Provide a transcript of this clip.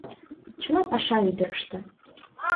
Чыла паша — ӱдырыштӧ!